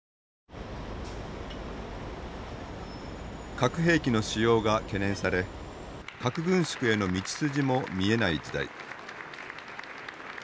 核兵器の使用が懸念され核軍縮への道筋も見えない時代。